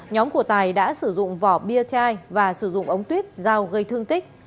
nhóm của tài đã sử dụng vỏ bia chai và sử dụng ống tuyết giao gây thương tích